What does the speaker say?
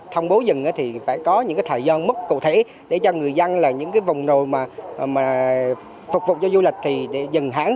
thông bố dừng thì phải có những thời gian mức cụ thể để cho người dân là những vùng nồi mà phục vụ cho du lịch thì dừng hãng